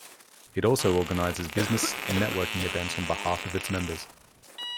It also organizes business and networking events on behalf of its members.